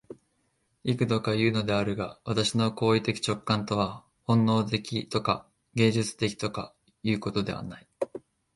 幾度かいうのであるが、私の行為的直観とは本能的とか芸術的とかいうことではない。